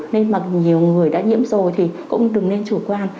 nên mặc nhiều người đã nhiễm rồi thì cũng đừng nên chủ quan